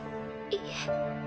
いえ。